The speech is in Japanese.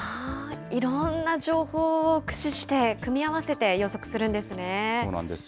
いろんな情報を駆使して、組み合わせて予測するそうなんです。